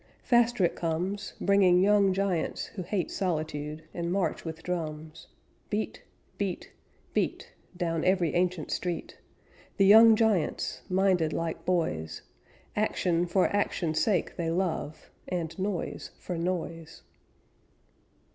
Faster it comes, Bringing young giants Who hate solitude, And march with drums Beat beat beat, Down every ancient street, The young giants! Minded like boys: Action for action's sake they love And noise for noise."